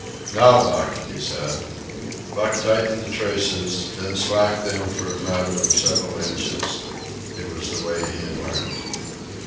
"Now, Buck," he said. Buck tightened the traces, then slacked them for a matter of several inches. It was the way he had learned.